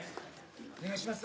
お願いします。